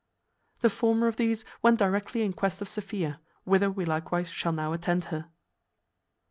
The former of these went directly in quest of Sophia, whither we likewise shall now attend her.